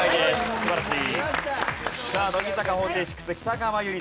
素晴らしい。